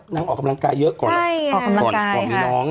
ออกกำลังกายเยอะก่อนออกกำลังก่อนมีน้อง